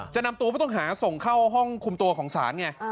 จะนำตัวผู้ต้องหาส่งเข้าห้องคุมตัวของศาลไง